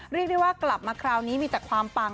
เรียกได้ว่ากลับมาคราวนี้มีแต่ความปัง